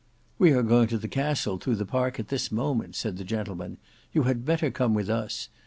"We are going to the Castle through the park at this moment," said the gentleman. "You had better come with us.